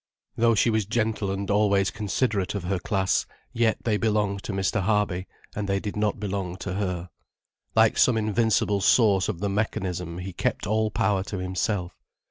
Though she was gentle and always considerate of her class, yet they belonged to Mr. Harby, and they did not belong to her. Like some invincible source of the mechanism he kept all power to himself.